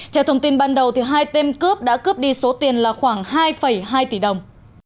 theo thông tin ban đầu hai tên cướp đã cướp đi số tiền là khoảng hai hai tỷ đồng